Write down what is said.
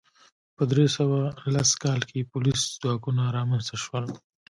په درې سوه لس کال کې پولیس ځواکونه رامنځته شول